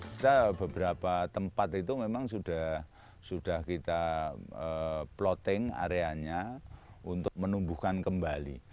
kita beberapa tempat itu memang sudah kita plotting areanya untuk menumbuhkan kembali